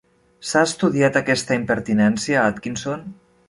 S'ha estudiat aquesta impertinència, Atkinson?